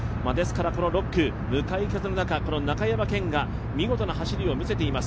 この６区、向かい風の中中山顕が見事な走りを見せています。